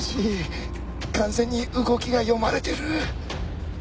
完全に動きが読まれてる。